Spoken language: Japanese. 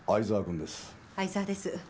相澤です。